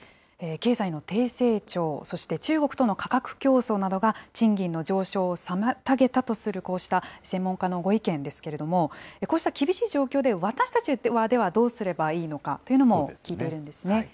経済の低成長、そして中国との価格競争などが、賃金の上昇を妨げたとする、こうした専門家のご意見ですけれども、こうした厳しい状況で、私たちは、ではどうすればいいのかというのも聞いているんですね。